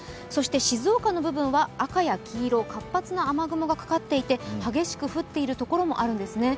静岡の部分は赤や黄色、活発な雨雲がかかっていて激しく降っているところもあるようなんですね。